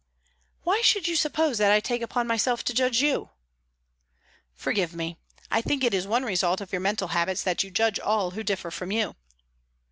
"Why should you suppose that I take upon myself to judge you?" "Forgive me; I think it is one result of your mental habits that you judge all who differ from you."